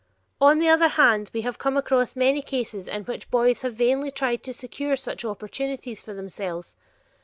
On the other hand, we have come across many cases in which boys have vainly tried to secure such opportunities for themselves.